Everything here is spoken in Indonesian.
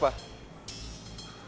bukan urusan lo